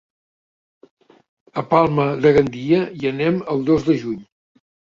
A Palma de Gandia hi anem el dos de juny.